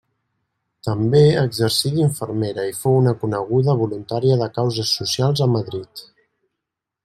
També exercí d'infermera i fou una coneguda voluntària de causes socials a Madrid.